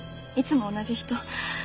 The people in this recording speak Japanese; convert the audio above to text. いつも同じ人。